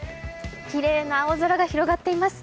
きれいな青空が広がっています。